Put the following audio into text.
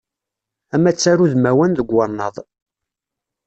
Amatar udmawan deg wannaḍ.